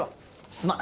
すまん。